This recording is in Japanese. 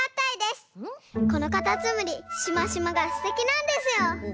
このカタツムリシマシマがすてきなんですよ。